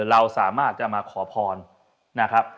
เราสามารถจะมาขอพรนะครับ